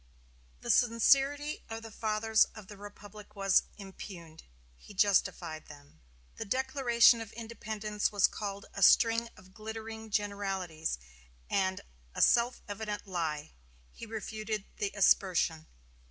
The sincerity of the fathers of the Republic was impugned he justified them. The Declaration of Independence was called a "string of glittering generalities" and a "self evident lie"; he refuted the aspersion.